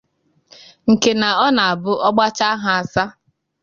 nke na ọ na-abụ ọ gbachaa ha asa